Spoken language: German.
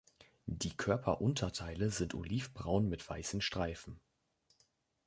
Die Körperunterteile sind olivbraun mit weißen Streifen.